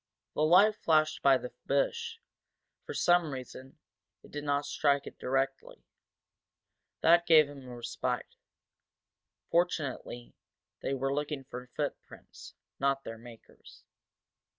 The light flashed by the bush, for some reason, it did not strike it directly. That gave him a respite. Fortunately they were looking for footprints, not for their makers.